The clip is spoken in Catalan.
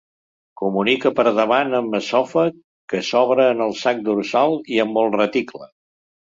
Comunica per davant amb l'esòfag, que s'obre en el sac dorsal, i amb el reticle.